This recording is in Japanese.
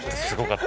すごい。